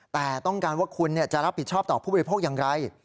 แต่ต้องการว่าคุณจะรับผิดชอบต่อผู้บริโภคอย่างไร